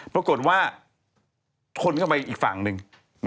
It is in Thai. ปรากฏว่าชนเข้าไปอีกฝั่งหนึ่ง